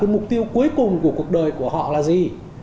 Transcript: mục tiêu cuối cùng của cuộc đời của họ là gì